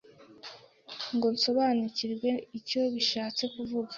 ngo nsobanukirwe icyo bishatse kuvuga,